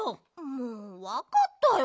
もうわかったよ。